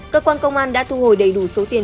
cơ quan công an đã thu hồi đầy đủ số tiền